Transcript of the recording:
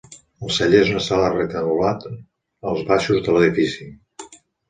El celler és una sala rectangular als baixos de l'edifici.